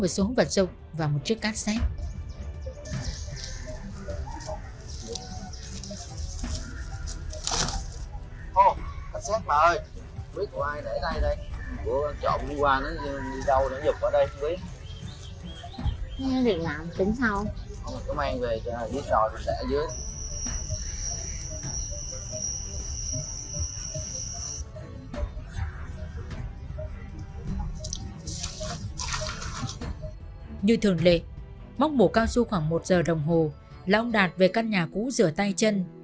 sau suốt khoảng một giờ đồng hồ là ông đạt về căn nhà cũ rửa tay chân